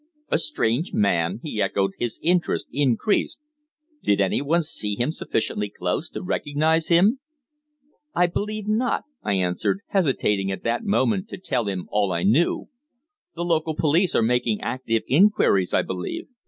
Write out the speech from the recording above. "A strange man?" he echoed, his interest increased. "Did anyone see him sufficiently close to recognise him?" "I believe not," I answered, hesitating at that moment to tell him all I knew. "The local police are making active inquiries, I believe."